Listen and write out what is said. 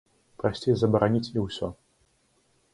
Прасцей забараніць і ўсё.